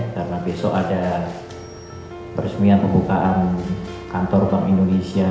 karena besok ada peresmian pembukaan kantor bank indonesia